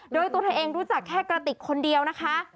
โดยตัวเธอเองรู้จักแค่กระติกคนเดียวนะคะ